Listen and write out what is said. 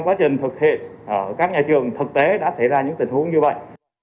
các nhà trường thực tế đã xảy ra những tình huống như vậy